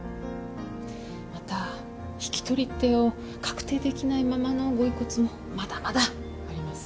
また引き取り手を確定できないままのご遺骨もまだまだあります。